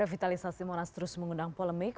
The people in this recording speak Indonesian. revitalisasi monas terus mengundang polemik